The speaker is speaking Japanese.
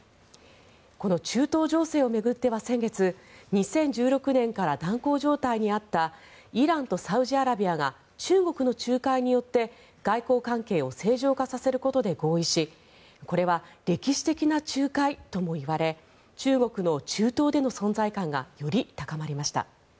この中東情勢を巡っては先月２０１６年から断交状態にあったイランとサウジアラビアが中国の仲介によって外交関係を正常化させることで合意しこれは、歴史的な仲介ともいわれ中国の中東での存在感がより高まりました。